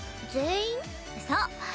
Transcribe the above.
そう。